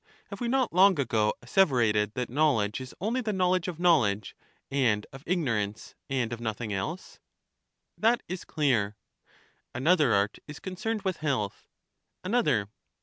Have we not long ago 40 CHARMIDES asseverated that knowledge is only the knowledge of knowledge and of ignorance, and of nothing else? That is clear. Another art is concerned with health. Another.